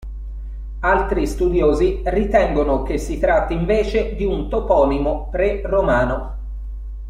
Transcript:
Altri studiosi ritengono che si tratti invece di un toponimo pre-romano.